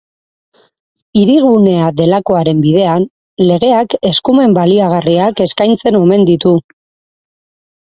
Hirigunea delakoaren bidean, legeak eskumen baliagarriak eskaintzen omen ditu.